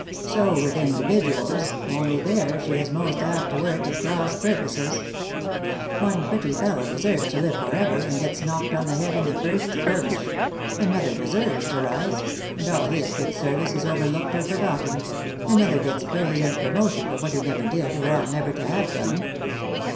So with individuals, only there she is most apt to work at cross purposes. One pretty fellow deserves to live forever, and gets knocked on the head in the first skirmish ; another deserves to rise, and all his good service is overlooked or forgotten ; another gets praise and promotion for what he never did, or otiffht never to have done.